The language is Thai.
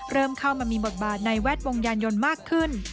เริ่มเข้ามามีบทบาทในแวดวงยานยนต์มากขึ้น